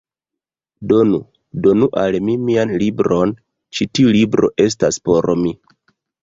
Donu, donu al mi mian libron! Ĉi tiu libro estas por mi